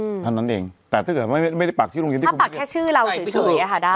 อืมเท่านั้นเองแต่ถ้าเกิดไม่ไม่ได้ปักชื่อโรงเรียนที่เขาปักแค่ชื่อเราเฉยเฉยอ่ะค่ะได้